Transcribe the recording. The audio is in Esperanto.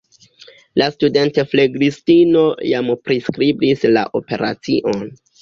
La studentflegistino jam priskribis la operacion.